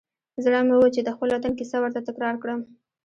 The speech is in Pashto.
زړه مې و چې د خپل وطن کیسه ورته تکرار کړم.